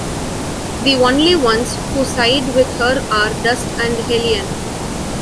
The only ones who side with her are Dust and Hellion.